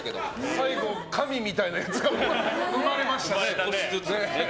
最後、神みたいなやつが生まれました。